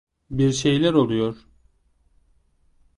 Bir şeyler oluyor.